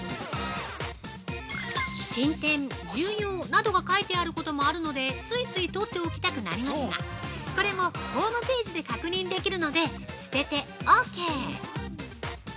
親展、重要などが書いてあることもあるので、ついつい取っておきたくなりますが、これも、ホームページで確認できるので、捨ててオーケー。